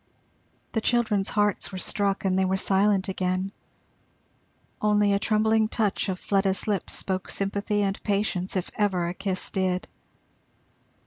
The children's hearts were struck, and they were silent again, only a trembling touch of Fleda's lips spoke sympathy and patience if ever a kiss did.